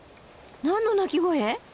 何の鳴き声？